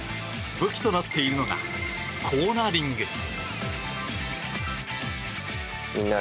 武器となっているのがコーナリング。